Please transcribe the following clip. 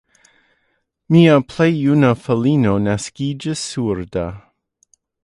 Mia plej juna filino naskiĝis surda.